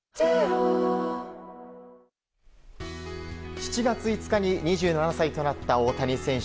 ７月５日に２７歳となった大谷選手。